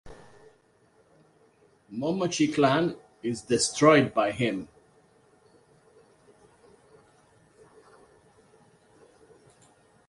Momochi clan is destroyed by him.